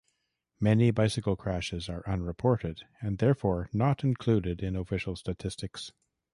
Many bicycle crashes are unreported and therefore not included in official statistics.